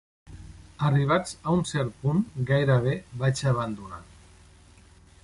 Arribats a un cert punt gairebé vaig abandonar.